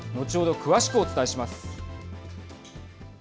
詳しくお伝えします。